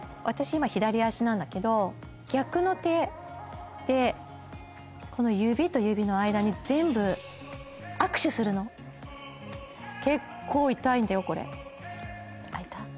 今左足なんだけど逆の手でこの指と指の間に全部握手するの結構痛いんだよこれあいた？